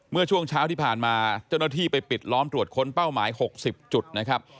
เมื่อช่วงเช้าที่ผ่านมาเจ้าหน้าที่ไปปิดล้อมตรวจค้นเป้าหมาย๖๐จุดนะครับ